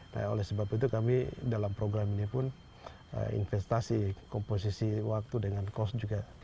nah oleh sebab itu kami dalam program ini pun investasi komposisi waktu dengan cost juga